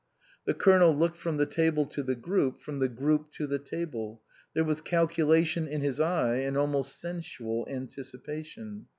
The Colonel looked from the table to the group, from the group to the table ; there was calculation in his eye, an almost sensual anticipation.